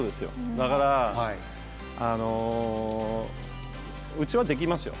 だから、うちはできますよ。